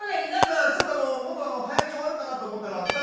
ただちょっとあのもっと早めに終わるかなと思ったら。